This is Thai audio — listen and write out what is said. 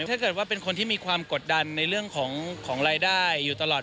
ถ้าเกิดว่าเป็นคนที่มีความกดดันในเรื่องของรายได้อยู่ตลอด